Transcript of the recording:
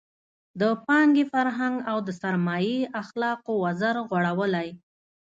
د پانګې فرهنګ او د سرمایې اخلاقو وزر غوړولی.